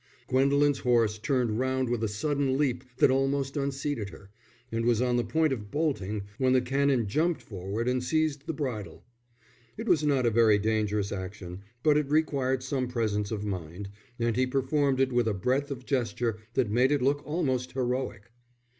Gwendolen's horse turned round with a sudden leap that almost unseated her, and was on the point of bolting, when the Canon jumped forward and seized the bridle. It was not a very dangerous action, but it required some presence of mind, and he performed it with a breadth of gesture that made it look almost heroic.